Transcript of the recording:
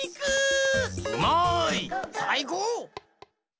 うまい！さいこう！